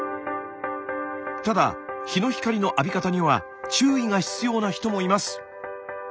ただ日の光の浴び方には注意が必要な人もいます。